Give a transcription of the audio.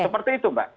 seperti itu mbak